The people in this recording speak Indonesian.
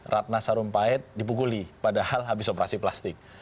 ratna sarumpait dipukuli padahal habis operasi plastik